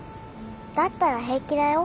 だったら平気だよ。